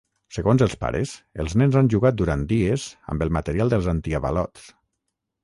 Segons els pares, els nens han jugat durant dies amb el material dels antiavalots.